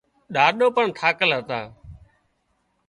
ڏاڏو پڻ ٿاڪل هتا